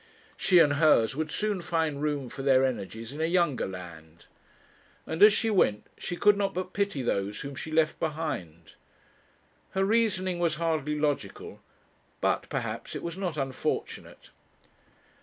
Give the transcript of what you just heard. She and hers would soon find room for their energies in a younger land; and as she went she could not but pity those whom she left behind. Her reasoning was hardly logical, but, perhaps, it was not unfortunate.